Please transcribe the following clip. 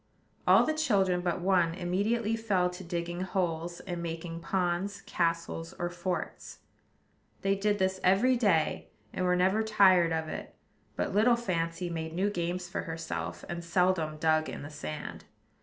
All the children but one immediately fell to digging holes, and making ponds, castles, or forts. They did this every day, and were never tired of it; but little Fancy made new games for herself, and seldom dug in the sand.